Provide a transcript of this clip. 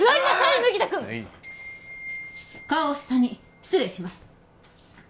はい顔を下に失礼します